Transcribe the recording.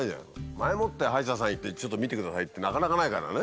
前もって歯医者さん行ってちょっと診てくださいってなかなかないからね。